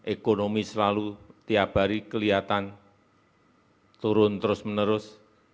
ekonomi selalu tiap hari kelihatan turun terus menerus